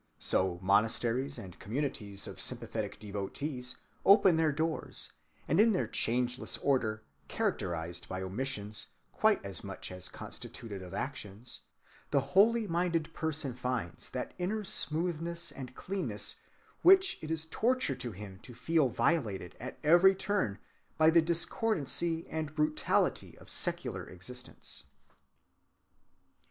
So monasteries and communities of sympathetic devotees open their doors, and in their changeless order, characterized by omissions quite as much as constituted of actions, the holy‐minded person finds that inner smoothness and cleanness which it is torture to him to feel violated at every turn by the discordancy and brutality of secular existence.